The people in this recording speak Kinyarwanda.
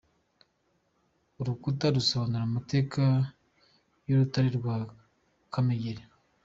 Urukuta rusobanura amateka y’urutare rwa Kamegeri.